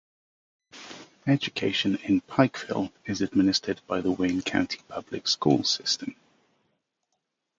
Education in Pikeville is administered by the Wayne County Public School system.